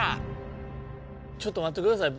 ちょっとまってください。